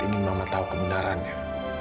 ingin mama tahu kebenarannya